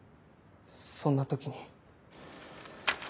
そんな時に。